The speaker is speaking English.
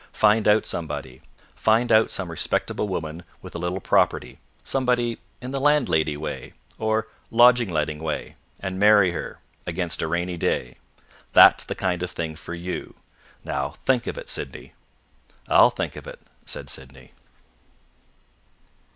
Find out somebody. Find out some respectable woman with a little property somebody in the landlady way, or lodging letting way and marry her, against a rainy day. That's the kind of thing for you. Now think of it, Sydney." "I'll think of it," said Sydney.